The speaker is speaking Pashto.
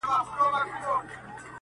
o هر څوک خپله کيسه لري تل,